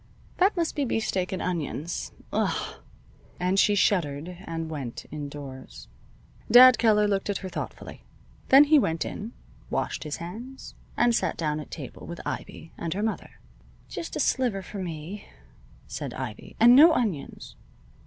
"That must be beefsteak and onions. Ugh!" And she shuddered, and went indoors. Dad Keller looked after her thoughtfully. Then he went in, washed his hands, and sat down at table with Ivy and her mother. "Just a sliver for me," said Ivy, "and no onions."